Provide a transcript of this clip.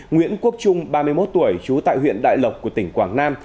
nguyễn quốc trung ba mươi một tuổi trú tại huyện đại lộc của tỉnh quảng nam